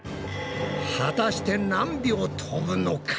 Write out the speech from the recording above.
果たして何秒飛ぶのか？